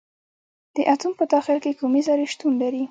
د اتوم په داخل کې کومې ذرې شتون لري.